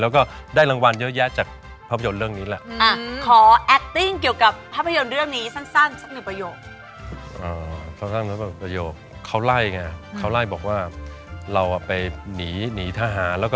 แล้วก็ได้รางวัลเยอะจาก